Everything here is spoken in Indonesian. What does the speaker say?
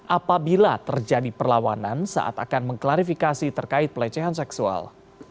apabila terjadi perlawanan saat akan mengklarifikasi terkait pelecehan seksual